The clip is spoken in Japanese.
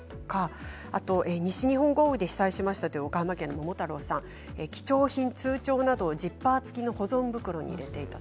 あと西日本豪雨で被災しましたという岡山県の方貴重品、通帳などをジッパー付きの保存袋に入れていた。